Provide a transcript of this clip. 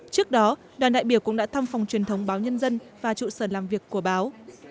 trước đó đoàn đại biểu cũng đã thăm phòng truyền thống báo nhân dân và trụ sở làm việc của báo